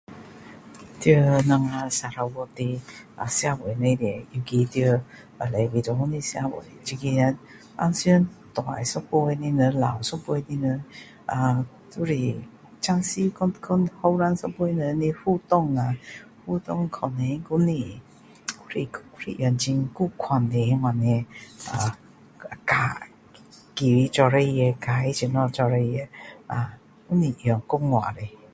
在我们沙捞越的啊社会里面尤其在礼拜堂的社会平时大一辈的人老一辈的人啊都是暂时和年年年轻人的互动啊互动可能还是很旧款的呃记怎样做事情教他怎样做事情啊不是用说话的